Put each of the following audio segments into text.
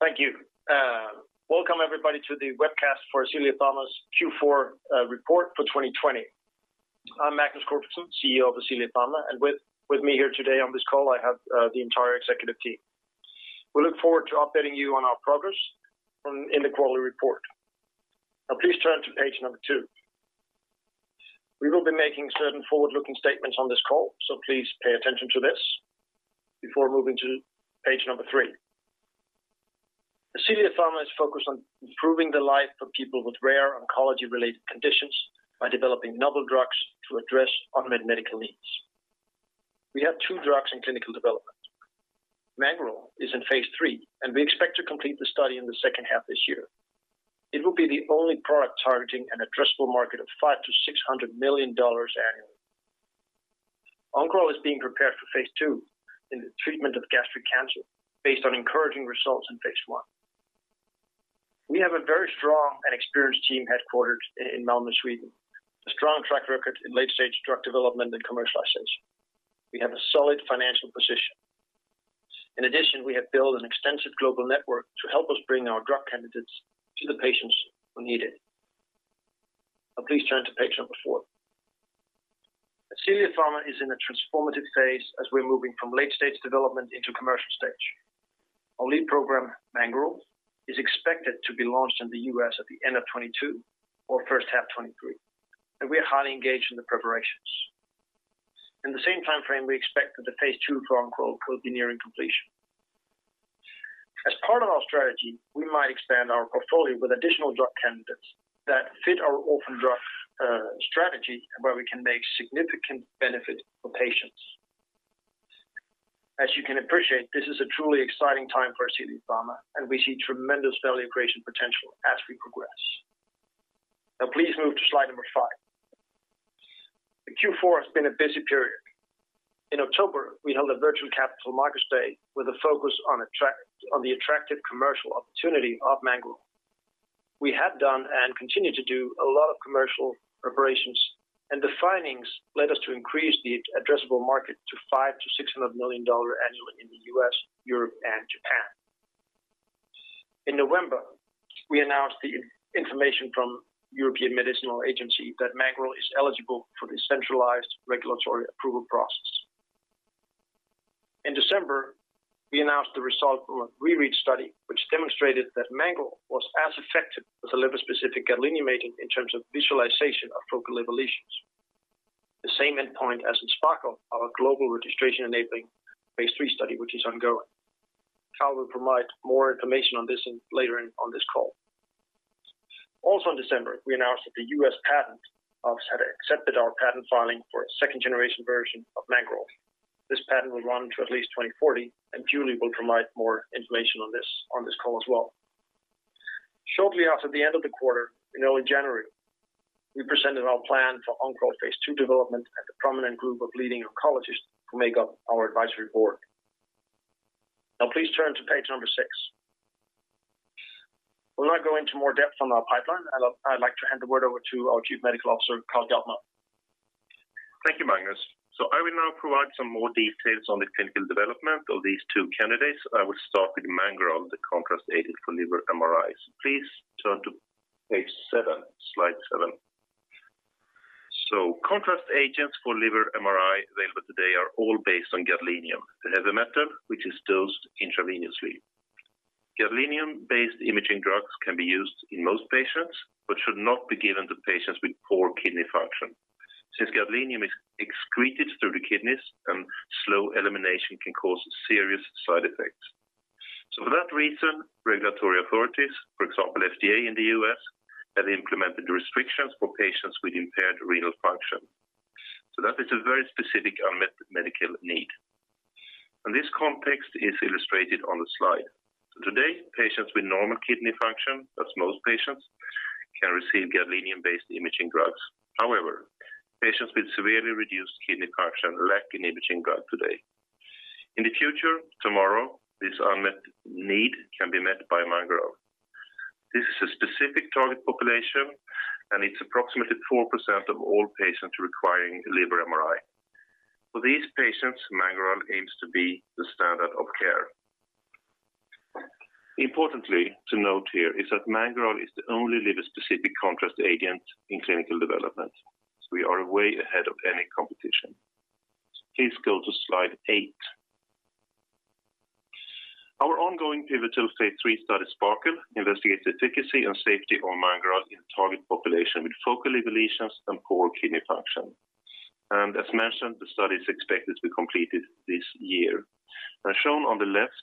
Thank you. Welcome everybody to the webcast for Ascelia Pharma's Q4 report for 2020. I'm Magnus Corfitzen, CEO of Ascelia Pharma, and with me here today on this call, I have the entire executive team. We look forward to updating you on our progress in the quarterly report. Please turn to page number 2. We will be making certain forward-looking statements on this call. Please pay attention to this before moving to page number 3. Ascelia Pharma is focused on improving the life of people with rare oncology-related conditions by developing novel drugs to address unmet medical needs. We have two drugs in clinical development. Mangoral is in phase III, and we expect to complete the study in the second half this year. It will be the only product targeting an addressable market of $500 million-$600 million annually. Oncoral is being prepared for phase II in the treatment of gastric cancer based on encouraging results in phase I. We have a very strong and experienced team headquartered in Malmö, Sweden, a strong track record in late-stage drug development and commercialization. We have a solid financial position. In addition, we have built an extensive global network to help us bring our drug candidates to the patients who need it. Now please turn to page number four. Ascelia Pharma is in a transformative phase as we're moving from late-stage development into commercial stage. Our lead program, Mangoral, is expected to be launched in the U.S. at the end of 2022 or first half 2023, and we are highly engaged in the preparations. In the same timeframe, we expect that the phase II for Oncoral will be nearing completion. As part of our strategy, we might expand our portfolio with additional drug candidates that fit our orphan drug strategy where we can make significant benefit for patients. As you can appreciate, this is a truly exciting time for Ascelia Pharma. We see tremendous value creation potential as we progress. Now please move to slide number five. The Q4 has been a busy period. In October, we held a virtual capital markets day with a focus on the attractive commercial opportunity of Mangoral. We have done and continue to do a lot of commercial preparations. The findings led us to increase the addressable market to $500 million-$600 million annually in the U.S., Europe, and Japan. In November, we announced the information from European Medicines Agency that Mangoral is eligible for the centralized regulatory approval process. In December, we announced the result from a re-read study, which demonstrated that Mangoral was as effective as a liver-specific gadolinium agent in terms of visualization of focal liver lesions. The same endpoint as in SPARKLE, our global registration-enabling phase III study, which is ongoing. Carl will provide more information on this later on this call. In December, we announced that the U.S. Patent Office had accepted our patent filing for a second-generation version of Mangoral. This patent will run to at least 2040, and Julie will provide more information on this on this call as well. Shortly after the end of the quarter in early January, we presented our plan for Oncoral phase II development at the prominent group of leading oncologists who make up our advisory board. Please turn to page number 6. We'll now go into more depth on our pipeline, and I'd like to hand the word over to our Chief Medical Officer, Carl Bjartmar. Thank you, Magnus. I will now provide some more details on the clinical development of these two candidates. I will start with Mangoral, the contrast agent for liver MRIs. Please turn to page seven, slide seven. Contrast agents for liver MRI available today are all based on gadolinium, a heavy metal which is dosed intravenously. Gadolinium-based imaging drugs can be used in most patients but should not be given to patients with poor kidney function, since gadolinium is excreted through the kidneys and slow elimination can cause serious side effects. For that reason, regulatory authorities, for example, FDA in the U.S., have implemented restrictions for patients with impaired renal function. That is a very specific unmet medical need. This context is illustrated on the slide. Today, patients with normal kidney function, that's most patients, can receive gadolinium-based imaging drugs. However, patients with severely reduced kidney function lack an imaging drug today. In the future, tomorrow, this unmet need can be met by Mangoral. This is a specific target population, and it's approximately 4% of all patients requiring liver MRI. For these patients, Mangoral aims to be the standard of care. Importantly to note here is that Mangoral is the only liver-specific contrast agent in clinical development, so we are way ahead of any competition. Please go to slide eight. Our ongoing pivotal phase III study, SPARKLE, investigates efficacy and safety of Mangoral in target population with focal liver lesions and poor kidney function. As mentioned, the study is expected to be completed this year. As shown on the left,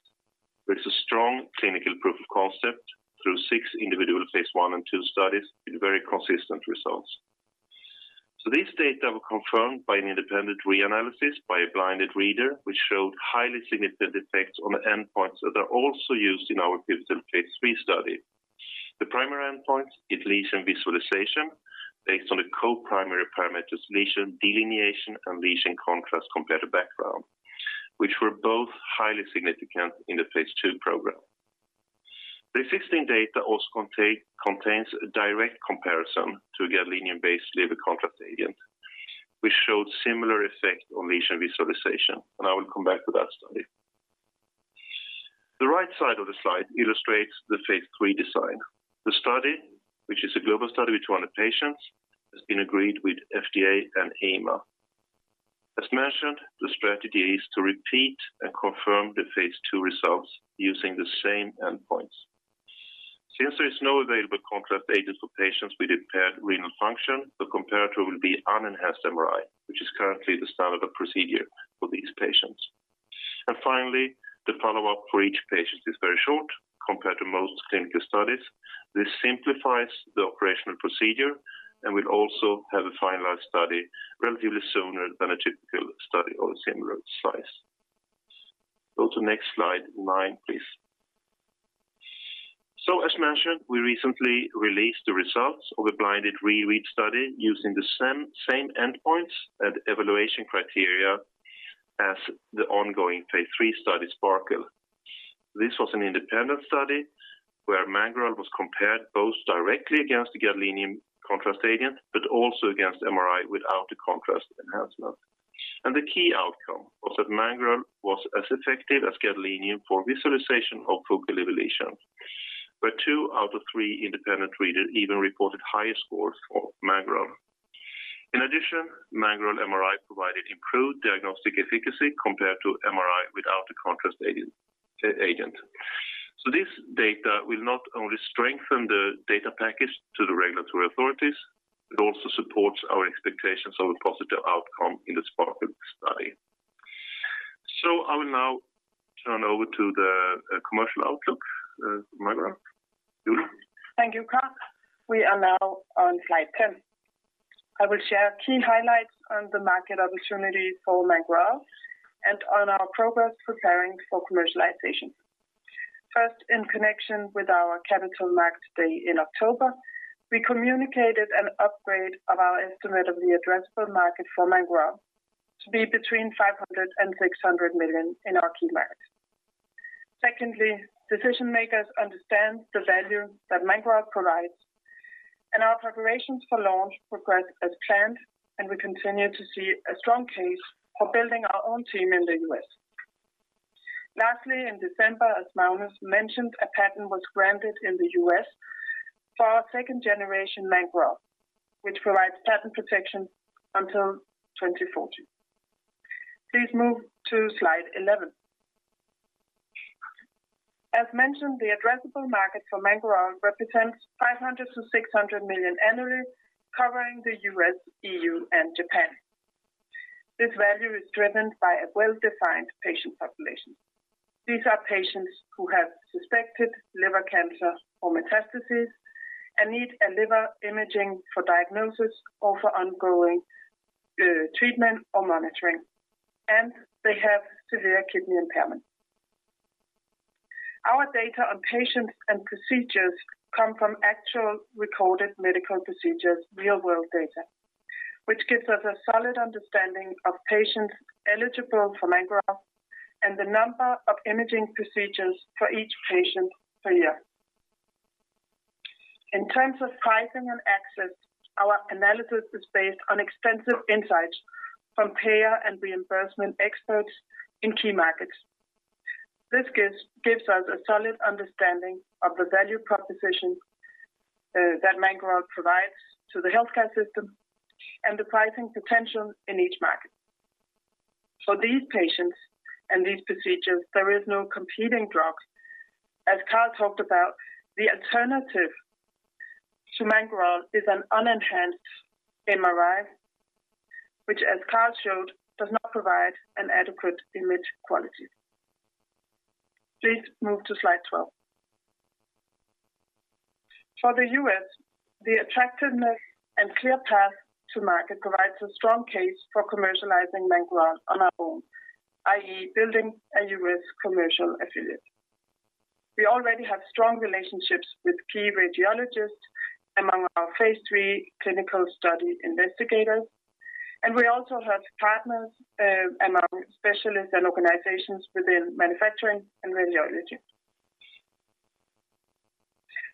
there is a strong clinical proof of concept through six individual phase I and II studies with very consistent results. These data were confirmed by an independent re-analysis by a blinded reader, which showed highly significant effects on the endpoints that are also used in our pivotal phase III study. The primary endpoint is lesion visualization based on the co-primary parameters lesion delineation and lesion contrast compared to background, which were both highly significant in the phase II program. The existing data also contains a direct comparison to gadolinium-based liver contrast agent, which showed similar effect on lesion visualization, and I will come back to that study. The right side of the slide illustrates the phase III design. The study, which is a global study with 200 patients, has been agreed with FDA and EMA. As mentioned, the strategy is to repeat and confirm the phase II results using the same endpoints. Since there is no available contrast agent for patients with impaired renal function, the comparator will be unenhanced MRI, which is currently the standard of procedure for these patients. Finally, the follow-up for each patient is very short compared to most clinical studies. This simplifies the operational procedure and will also have a finalized study relatively sooner than a typical study of the same size. Go to next slide 9, please. As mentioned, we recently released the results of a blinded re-read study using the same endpoints and evaluation criteria as the ongoing phase III study, SPARKLE. This was an independent study where Mangoral was compared both directly against the gadolinium contrast agent, but also against MRI without the contrast enhancement. The key outcome was that Mangoral was as effective as gadolinium for visualization of focal liver lesions, where two out of three independent readers even reported higher scores for Mangoral. In addition, Mangoral MRI provided improved diagnostic efficacy compared to MRI without the contrast agent. This data will not only strengthen the data package to the regulatory authorities, it also supports our expectations of a positive outcome in the SPARKLE study. I will now turn over to the commercial outlook of Mangoral. Julie? Thank you, Carl. We are now on slide 10. I will share key highlights on the market opportunity for Mangoral and on our progress preparing for commercialization. In connection with our Capital Markets Day in October, we communicated an upgrade of our estimate of the addressable market for Mangoral to be between $500 million-$600 million in our key markets. Decision-makers understand the value that Mangoral provides, and our preparations for launch progress as planned, and we continue to see a strong case for building our own team in the U.S. In December, as Magnus mentioned, a patent was granted in the U.S. for our second-generation Mangoral, which provides patent protection until 2040. Please move to slide 11. As mentioned, the addressable market for Mangoral represents $500 million-$600 million annually, covering the U.S., EU, and Japan. This value is driven by a well-defined patient population. These are patients who have suspected liver cancer or metastasis and need a liver imaging for diagnosis or for ongoing treatment or monitoring, and they have severe kidney impairment. Our data on patients and procedures come from actual recorded medical procedures, real world data, which gives us a solid understanding of patients eligible for Mangoral and the number of imaging procedures for each patient per year. In terms of pricing and access, our analysis is based on extensive insights from payer and reimbursement experts in key markets. This gives us a solid understanding of the value proposition that Mangoral provides to the healthcare system and the pricing potential in each market. For these patients and these procedures, there is no competing drugs. As Carl talked about, the alternative to Mangoral is an unenhanced MRI, which, as Carl showed, does not provide an adequate image quality. Please move to slide 12. For the U.S., the attractiveness and clear path to market provides a strong case for commercializing Mangoral on our own, i.e., building a U.S. commercial affiliate. We already have strong relationships with key radiologists among our phase III clinical study investigators, and we also have partners among specialists and organizations within manufacturing and radiology.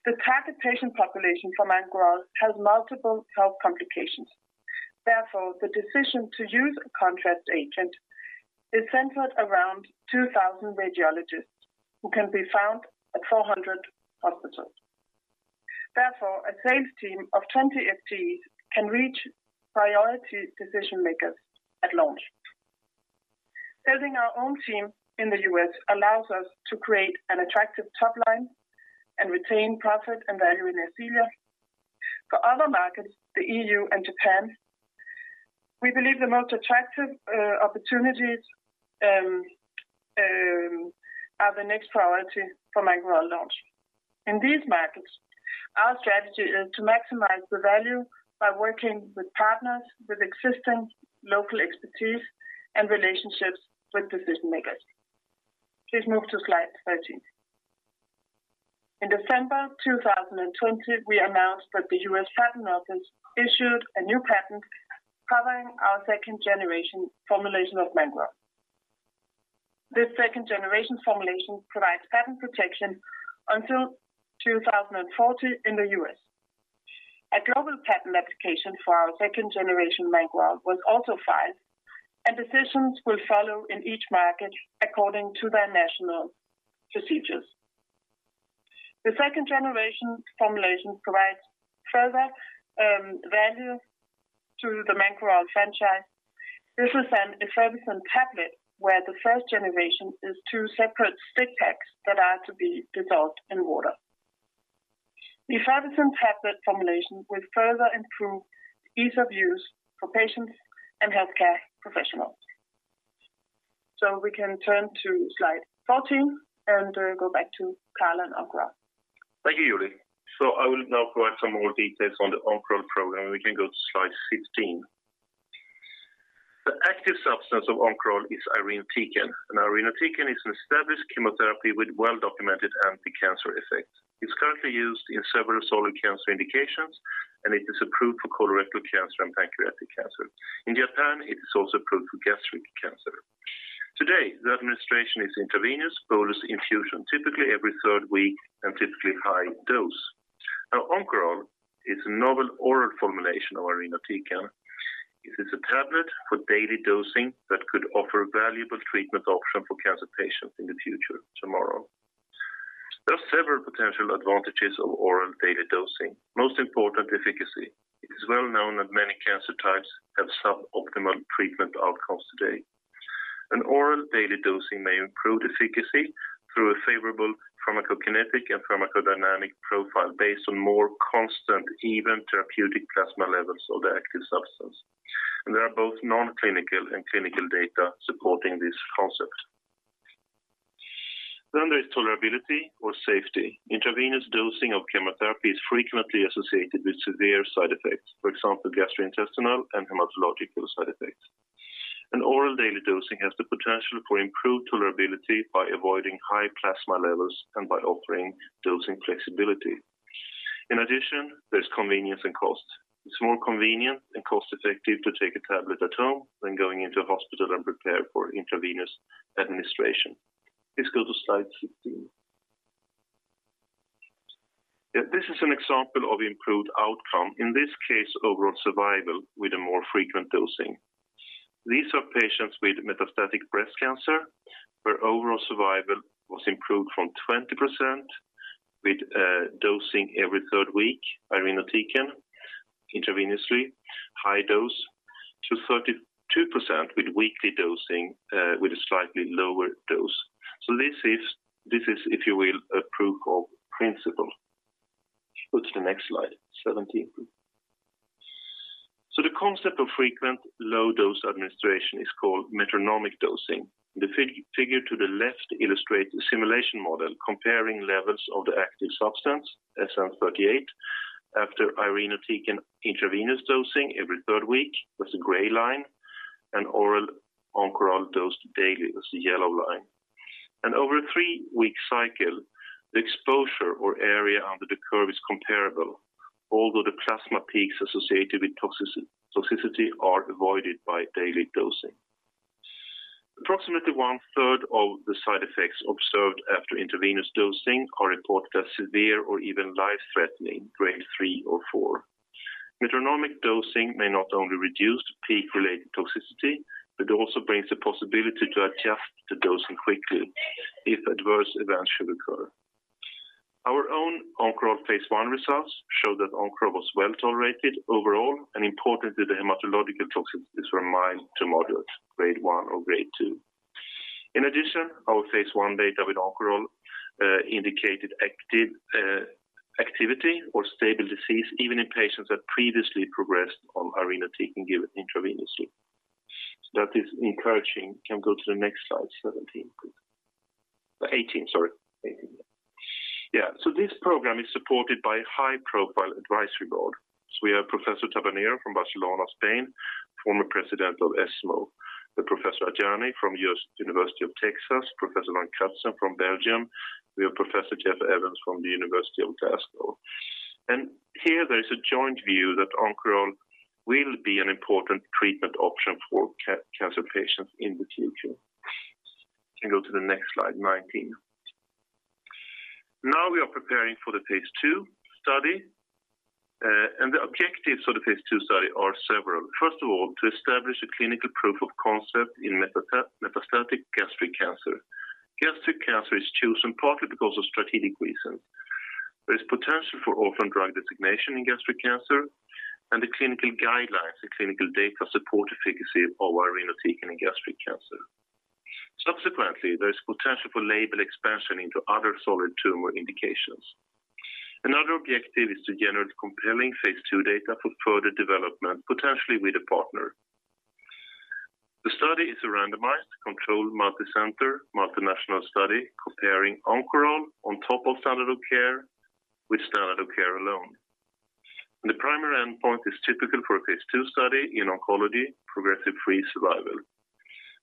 The target patient population for Mangoral has multiple health complications. The decision to use a contrast agent is centered around 2,000 radiologists who can be found at 400 hospitals. A sales team of 20 FTEs can reach priority decision-makers at launch. Building our own team in the U.S. allows us to create an attractive top line and retain profit and value in Ascelia. For other markets, the EU and Japan, we believe the most attractive opportunities are the next priority for Mangoral launch. In these markets, our strategy is to maximize the value by working with partners with existing local expertise and relationships with decision-makers. Please move to slide 13. In December 2020, we announced that the U.S. Patent Office issued a new patent covering our second-generation formulation of Mangoral. This second-generation formulation provides patent protection until 2040 in the U.S. A global patent application for our second-generation Oncoral was also filed, and decisions will follow in each market according to their national procedures. The second-generation formulation provides further value to the Oncoral franchise. This is an effervescent tablet where the first generation is two separate stick packs that are to be dissolved in water. The effervescent tablet formulation will further improve ease of use for patients and healthcare professionals. We can turn to slide 14 and go back to Carl and Oncoral. Thank you, Julie. I will now provide some more details on the Oncoral program. We can go to slide 16. The active substance of Oncoral is irinotecan, and irinotecan is an established chemotherapy with well-documented anticancer effects. It is currently used in several solid cancer indications, and it is approved for colorectal cancer and pancreatic cancer. In Japan, it is also approved for gastric cancer. Today, the administration is intravenous bolus infusion, typically every third week and typically high dose. Oncoral is a novel oral formulation of irinotecan. It is a tablet for daily dosing that could offer a valuable treatment option for cancer patients in the future, tomorrow. There are several potential advantages of oral daily dosing. Most important, efficacy. It is well known that many cancer types have suboptimal treatment outcomes today. An oral daily dosing may improve efficacy through a favorable pharmacokinetic and pharmacodynamic profile based on more constant, even therapeutic plasma levels of the active substance. There are both non-clinical and clinical data supporting this concept. There is tolerability or safety. Intravenous dosing of chemotherapy is frequently associated with severe side effects, for example, gastrointestinal and hematological side effects. An oral daily dosing has the potential for improved tolerability by avoiding high plasma levels and by offering dosing flexibility. In addition, there's convenience and cost. It's more convenient and cost-effective to take a tablet at home than going into a hospital and prepare for intravenous administration. Please go to slide 16. Yeah, this is an example of improved outcome, in this case, overall survival with a more frequent dosing. These are patients with metastatic breast cancer, where overall survival was improved from 20% with dosing every third week, irinotecan intravenously, high dose, to 32% with weekly dosing with a slightly lower dose. This is, if you will, a proof of principle. Go to the next slide, 17 please. The concept of frequent low-dose administration is called metronomic dosing. The figure to the left illustrates a simulation model comparing levels of the active substance, SN-38, after irinotecan intravenous dosing every third week, that's the gray line, and oral Oncoral dosed daily, that's the yellow line. Over a three-week cycle, the exposure or area under the curve is comparable, although the plasma peaks associated with toxicity are avoided by daily dosing. Approximately one-third of the side effects observed after intravenous dosing are reported as severe or even life-threatening, grade 3 or 4. Metronomic dosing may not only reduce peak-related toxicity but also brings the possibility to adjust the dosing quickly if adverse events should occur. Our own Oncoral phase I results show that Oncoral was well-tolerated overall and importantly, the hematological toxicities were mild to moderate, grade 1 or grade 2. In addition, our phase I data with Oncoral indicated activity or stable disease even in patients that previously progressed on irinotecan given intravenously. That is encouraging. We can go to the next slide, 17 please. 18, sorry. 18, yeah. Yeah, this program is supported by a high-profile advisory board. We have Professor Tabernero from Barcelona, Spain, former president of ESMO, Professor Ajani from University of Texas, Professor Van Cutsem from Belgium. We have Professor Jeff Evans from the University of Glasgow. Here there is a joint view that Oncoral will be an important treatment option for cancer patients in the future. Can go to the next slide 19. Now we are preparing for the phase II study, and the objectives of the phase II study are several. First of all, to establish a clinical proof of concept in metastatic gastric cancer. Gastric cancer is chosen partly because of strategic reasons. There is potential for orphan drug designation in gastric cancer, and the clinical guidelines and clinical data support efficacy of irinotecan in gastric cancer. Subsequently, there is potential for label expansion into other solid tumor indications. Another objective is to generate compelling phase II data for further development, potentially with a partner. The study is a randomized, controlled, multicenter, multinational study comparing Oncoral on top of standard of care with standard of care alone. The primary endpoint is typical for a phase II study in oncology, progression-free survival.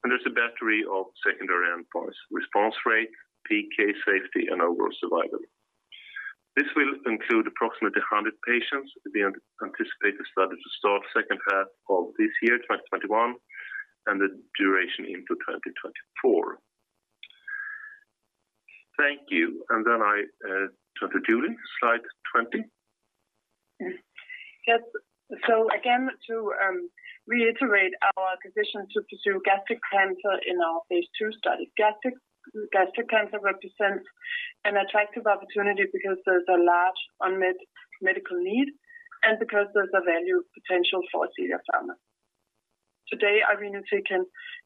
There's a battery of secondary endpoints, response rate, PK safety, and overall survival. This will include approximately 100 patients. We anticipate the study to start the second half of this year, 2021, and the duration into 2024. Thank you. On to Julie, slide 20. Again, to reiterate our position to pursue gastric cancer in our phase II study. Gastric cancer represents an attractive opportunity because there's a large unmet medical need and because there's a value potential for Ascelia Pharma. Today, irinotecan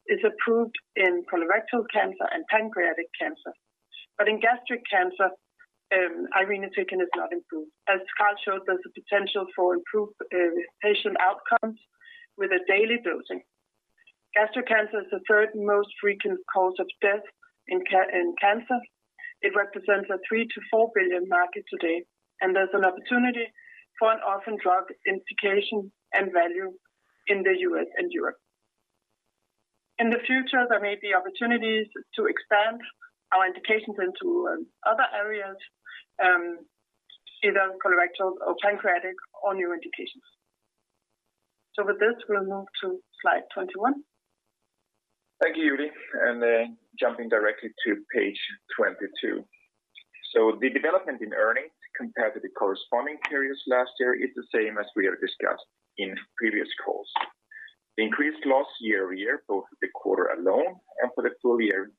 is approved in colorectal cancer and pancreatic cancer, but in gastric cancer, irinotecan is not approved. As Carl showed, there's a potential for improved patient outcomes with a daily dosing. Gastric cancer is the third most frequent cause of death in cancer. It represents a $3 billion-$4 billion market today, and there's an opportunity for an orphan drug indication and value in the U.S. and Europe. In the future, there may be opportunities to expand our indications into other areas, either colorectal or pancreatic or new indications. With this, we'll move to slide 21. Thank you, Julie. Then jumping directly to page 22. The development in earnings compared to the corresponding periods last year is the same as we have discussed in previous calls. The increased loss year-over-year, both for the quarter alone and for the full year,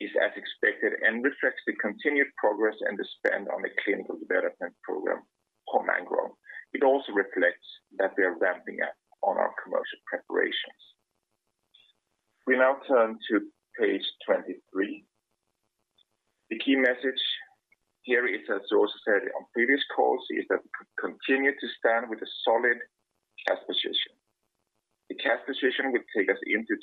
is as expected and reflects the continued progress and the spend on the clinical development program for Mangoral. It also reflects that we are ramping up on our commercial preparations. We now turn to page 23. The key message here is, as also said on previous calls, is that we continue to stand with a solid cash position. The cash position will take us into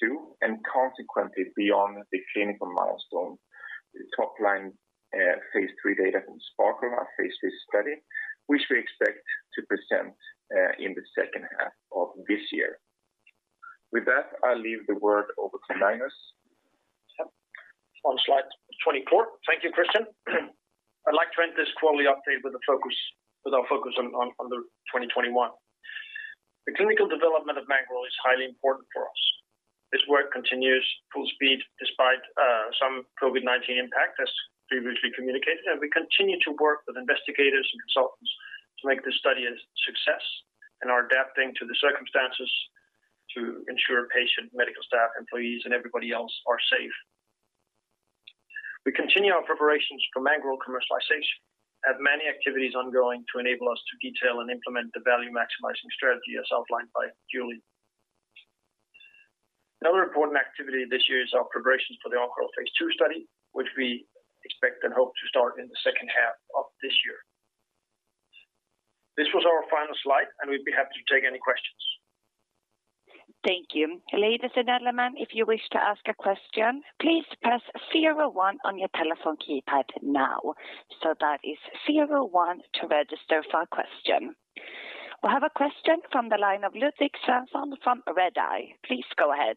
2022, consequently, beyond the clinical milestone, the top line phase III data from SPARKLE, our phase III study, which we expect to present in the second half of this year. With that, I'll leave the word over to Magnus. On slide 24. Thank you, Christian. I'd like to end this quarterly update with our focus on 2021. The clinical development of Mangoral is highly important for us. This work continues full speed despite some COVID-19 impact, as previously communicated, and we continue to work with investigators and consultants to make this study a success and are adapting to the circumstances to ensure patient medical staff, employees, and everybody else are safe. We continue our preparations for Mangoral commercialization, have many activities ongoing to enable us to detail and implement the value-maximizing strategy as outlined by Julie. Another important activity this year is our preparations for the Oncoral phase II study, which we expect and hope to start in the second half of this year. This was our final slide, and we'd be happy to take any questions. Thank you. Ladies and gentlemen, if you wish to ask a question, please press zero one on your telephone keypad now. That is zero one to register for a question. I have a question from the line of Ludvig Svensson from RedEye. Please go ahead.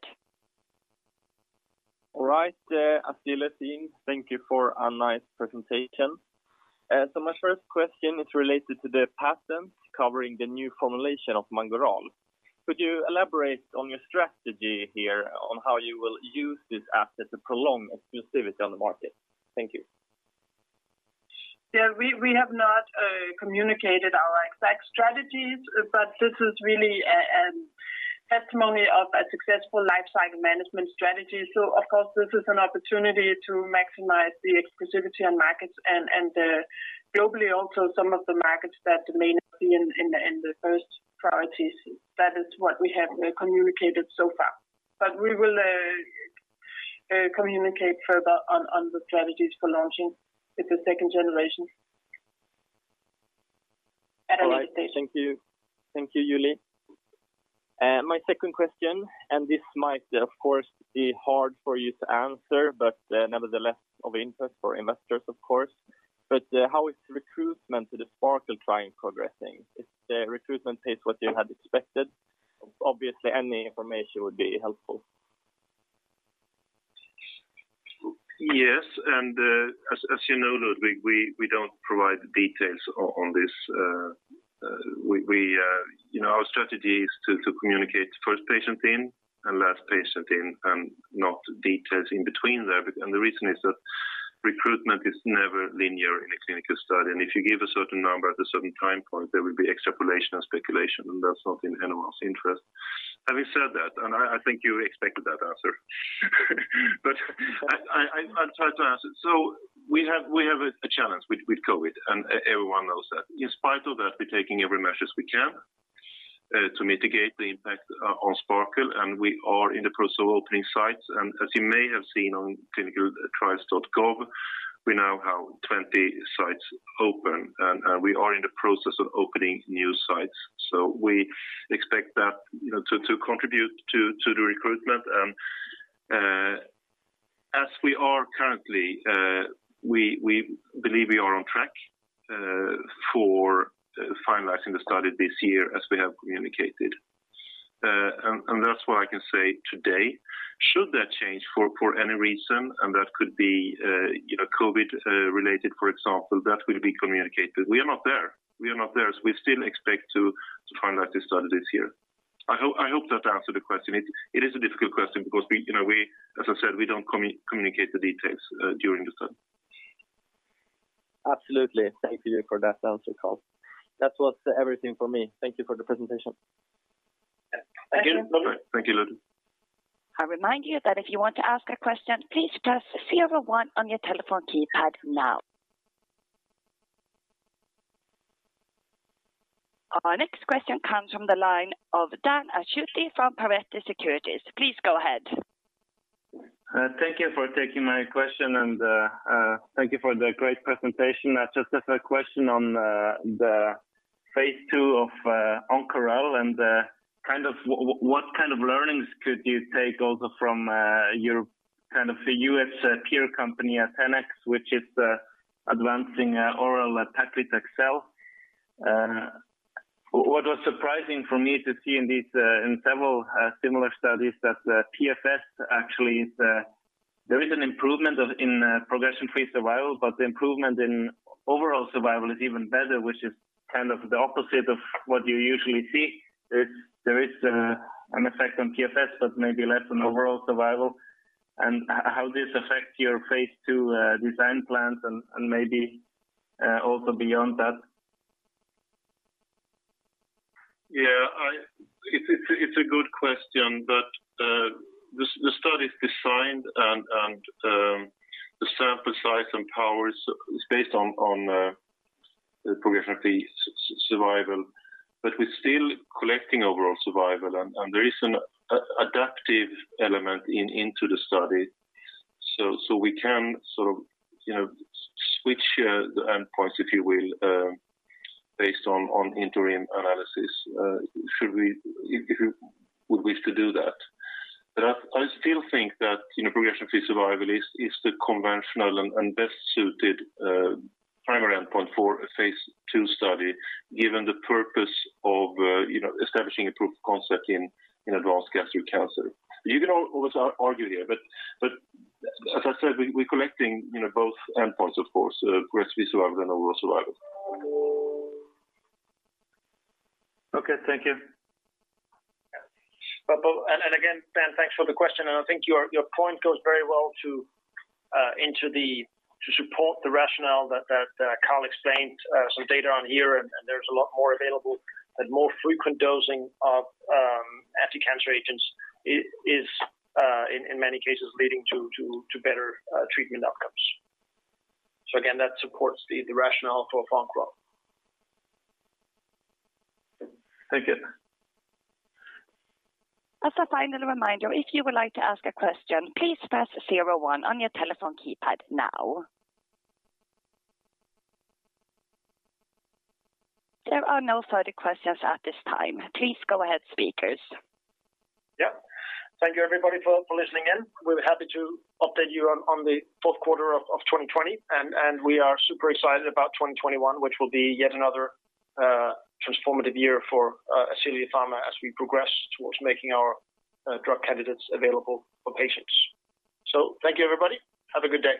All right. Ascelia team, thank you for a nice presentation. My first question is related to the patent covering the new formulation of Mangoral. Could you elaborate on your strategy here on how you will use this asset to prolong exclusivity on the market? Thank you. Yeah, we have not communicated our exact strategies, but this is really a testimony of a successful lifecycle management strategy. Of course, this is an opportunity to maximize the exclusivity on markets and globally also some of the markets that may not be in the first priorities. That is what we have communicated so far. We will communicate further on the strategies for launching with the second generation at a later stage. All right. Thank you. Thank you, Julie. My second question, and this might of course be hard for you to answer, but nevertheless of interest for investors, of course. How is the recruitment to the SPARKLE trial progressing? Is the recruitment paced what you had expected? Obviously, any information would be helpful. Yes, as you know, Ludvig, we don't provide details on this. Our strategy is to communicate first patient in and last patient in, and not details in between there. The reason is that recruitment is never linear in a clinical study. If you give a certain number at a certain time point, there will be extrapolation and speculation, and that's not in anyone's interest. Having said that, and I think you expected that answer, but I'll try to answer. We have a challenge with COVID, and everyone knows that. In spite of that, we're taking every measure we can to mitigate the impact on SPARKLE, and we are in the process of opening sites. As you may have seen on clinicaltrials.gov, we now have 20 sites open, and we are in the process of opening new sites. We expect that to contribute to the recruitment. As we are currently, we believe we are on track for finalizing the study this year as we have communicated. That's what I can say today. Should that change for any reason, and that could be COVID related, for example, that will be communicated. We are not there. We still expect to finalize the studies this year. I hope that answered the question. It is a difficult question because, as I said, we don't communicate the details during the study. Absolutely. Thank you for that answer, Carl. That was everything for me. Thank you for the presentation. Thank you. Thank you. Thank you, Ludvig. I remind you that if you want to ask a question, please press zero one on your telephone keypad now. Our next question comes from the line of Dan Akschuti from Pareto Securities. Please go ahead. Thank you for taking my question and thank you for the great presentation. I just have a question on the phase II of Oncoral and what kind of learnings could you take also from your U.S. peer company, Athenex, which is advancing oral paclitaxel. What was surprising for me to see in several similar studies that PFS actually is, there is an improvement in progression-free survival, but the improvement in overall survival is even better, which is kind of the opposite of what you usually see, is there is an effect on PFS, but maybe less on overall survival and how this affects your phase II design plans and maybe also beyond that. It's a good question but the study is designed and the sample size and power is based on progression-free survival. We're still collecting overall survival, and there is an adaptive element into the study. We can sort of switch the endpoints, if you will, based on interim analysis, if we would wish to do that. I still think that progression-free survival is the conventional and best-suited primary endpoint for a phase II study, given the purpose of establishing a proof of concept in advanced gastric cancer. You can always argue here, but as I said, we're collecting both endpoints, of course, progression-free survival and overall survival. Okay, thank you. Again, Dan, thanks for the question, and I think your point goes very well to support the rationale that Carl explained some data on here, and there's a lot more available. That more frequent dosing of anticancer agents is, in many cases, leading to better treatment outcomes. Again, that supports the rationale for Oncoral. Thank you. As a final reminder, if you would like to ask a question please press zero one on your telephone keypad now. There are no further questions at this time. Please go ahead, speakers. Yep. Thank you everybody for listening in. We'll be happy to update you on the fourth quarter of 2020. We are super excited about 2021, which will be yet another transformative year for Ascelia Pharma as we progress towards making our drug candidates available for patients. Thank you, everybody. Have a good day.